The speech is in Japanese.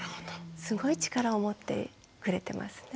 すごい力を持ってくれてますね。